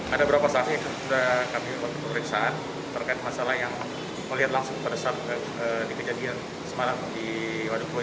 ada beberapa sahib yang sudah kami buat periksaan terkait masalah yang melihat langsung pada saat dikejadian semalam di waduk pluit